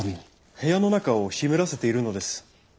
部屋の中を湿らせているのです。